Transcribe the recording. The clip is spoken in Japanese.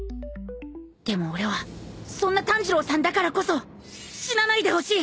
でも俺はそんな炭治郎さんだからこそ死なないでほしい！